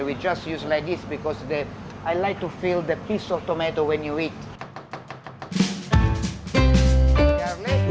kami hanya menggunakan seperti ini karena saya suka mengisi sisa tomat saat kamu makan